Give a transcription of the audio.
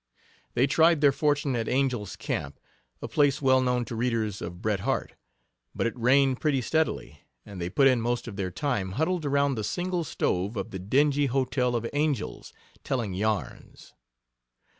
They tried their fortune at Angel's Camp, a place well known to readers of Bret Harte. But it rained pretty steadily, and they put in most of their time huddled around the single stove of the dingy hotel of Angel's, telling yarns.